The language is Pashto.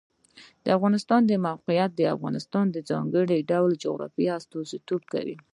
د افغانستان د موقعیت د افغانستان د ځانګړي ډول جغرافیه استازیتوب کوي.